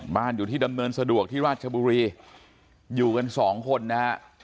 อยู่ที่ดำเนินสะดวกที่ราชบุรีอยู่กันสองคนนะฮะ